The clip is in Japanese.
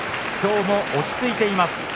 きょうも落ち着いています。